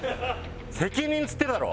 責任っつってんだろ！